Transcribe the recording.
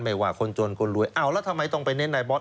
ว่าคนจนคนรวยอ้าวแล้วทำไมต้องไปเน้นนายบอส